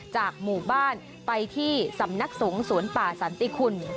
จากหมู่บ้านไปที่สำนักสงฆ์สวนป่าสันติคุณ